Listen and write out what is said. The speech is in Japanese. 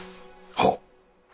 はっ。